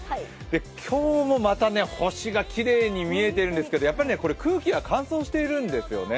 今日もまた星がきれいに見えているんですけれども、やっぱり空気が乾燥しているんですよね。